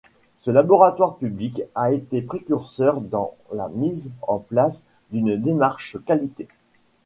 Ce laboratoire public a été précurseur dans la mise en place d'une démarche qualité.